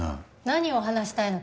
何を話したいの？